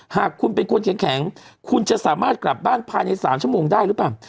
หากคุณเป็นคนแข็งคุณจะสามารถกลับบ้านภายใน๓ชั่วโมงได้หรือเปล่า